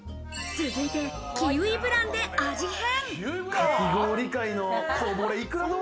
続いてキウイ・ブランで味変。